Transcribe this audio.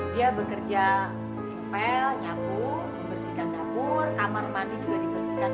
dia bekerja novel nyapu membersihkan dapur kamar mandi juga dibersihkan